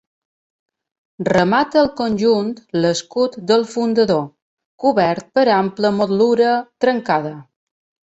Remata el conjunt l'escut del fundador, cobert per ampla motllura trencada.